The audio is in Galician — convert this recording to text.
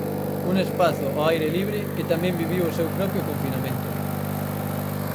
Un espazo ao aire libre que tamén viviu o seu propio confinamento.